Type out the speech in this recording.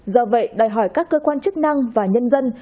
do vậy đòi hỏi các cơ quan chức năng và nhân dân